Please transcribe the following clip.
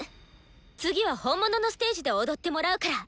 次は「本物のステージ」で踊ってもらうから！